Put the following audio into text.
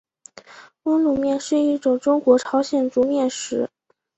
温卤面是一种中国朝鲜族面食。